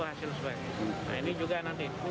nah ini juga nanti